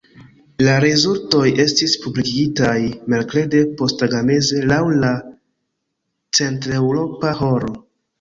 La rezultoj estis publikigitaj merkrede posttagmeze laŭ la centreŭropa horo.